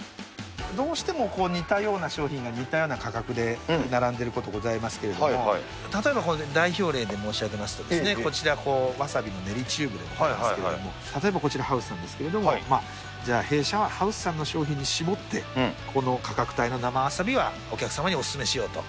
どうしても似たような商品が似たような価格で並んでいることございますけれども、例えば代表例で申し上げますと、こちら、わさびの練りチューブでございますけれども、例えばこちら、ハウスさんですけれども、じゃあ、弊社はハウスさんの商品に絞って、この価格帯の生わさびはお客様にお勧めしようと。